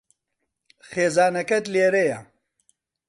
خێزانەکەت لێرەیە.